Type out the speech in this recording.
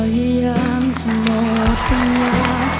เฮ้ยโชคดีครับ